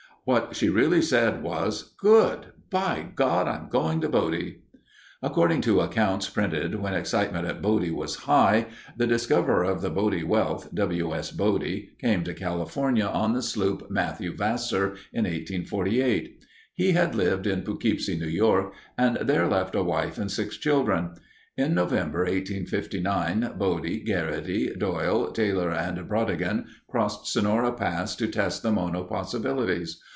What she really said was, "Good, by God! I'm going to Bodie." According to accounts printed when excitement at Bodie was high, the discoverer of the Bodie wealth, W. S. Body, came to California on the sloop Matthew Vassar in 1848. He had lived in Poughkeepsie, New York, and there left a wife and six children. In November, 1859, Body, Garraty, Doyle, Taylor, and Brodigan crossed Sonora Pass to test the Mono possibilities.